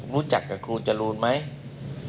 รู้จักกับครูจรูนไหม